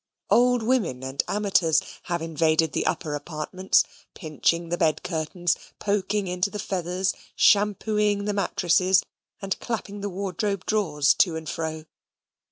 Old women and amateurs have invaded the upper apartments, pinching the bed curtains, poking into the feathers, shampooing the mattresses, and clapping the wardrobe drawers to and fro.